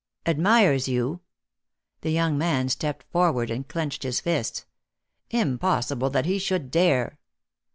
"Admires you?" The young man stepped forward and clenched his fists. "Impossible that he should dare!"